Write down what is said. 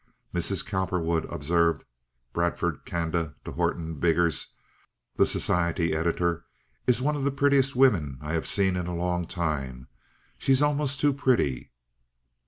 "Mrs. Cowperwood," observed Bradford Canda to Horton Biggers, the society editor, "is one of the prettiest women I have seen in a long time. She's almost too pretty."